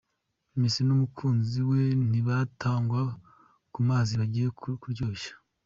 Messi n'umukunzi we ntibatangwa ku mazi bagiye kuryoshya.